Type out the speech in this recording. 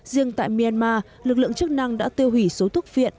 riêng tại myanmar lực lượng chức năng đã tiêu hủy số thuốc viện